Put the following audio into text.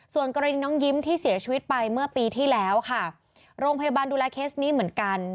ส่วนกรณีน้องยิ้มที่เสียชีวิตไปเมื่อปีที่แล้วค่ะโรงพยาบาลดูแลเคสนี้เหมือนกัน